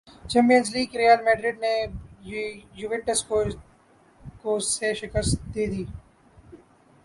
champions league Real Madrid نے Juventus کو سے شکست دے دی